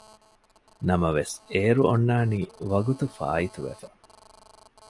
ނަމަވެސް އޭރު އޮންނަނީ ވަގުތުފާއިތުވެފަ